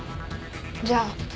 じゃあ。